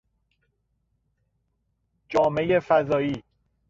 جامهی فضایی